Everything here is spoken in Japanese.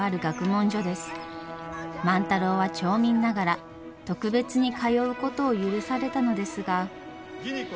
万太郎は町民ながら特別に通うことを許されたのですが。